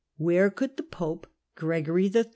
Where could the pope, Gregory III.